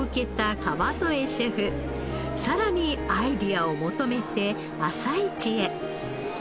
さらにアイデアを求めて朝市へ。